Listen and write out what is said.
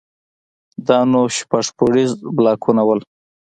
دا نو شپږ پوړيز بلاکونه وو.